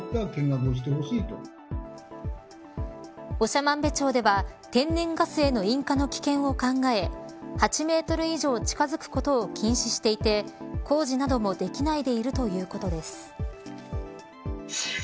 長万部町では天然ガスへの引火の危険を考え８メートル以上近づくことを禁止していて工事などもできないでいるということです。